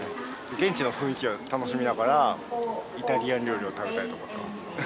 現地の雰囲気を楽しみながら、イタリアン料理を食べたいと思っています。